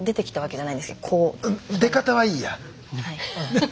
はい。